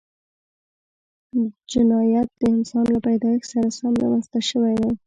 جنایت د انسان له پیدایښت سره سم رامنځته شوی دی